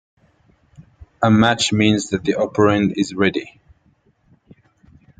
A match means that the operand is ready.